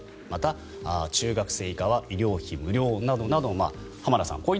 また、中学生以下は医療費無料など浜田さん